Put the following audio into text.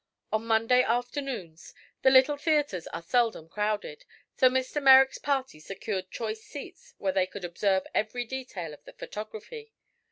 On Monday afternoons the little theatres are seldom crowded, so Mr. Merrick's party secured choice seats where they could observe every detail of the photography.